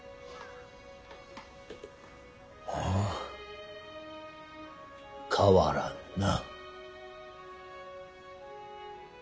ああ変わらんな。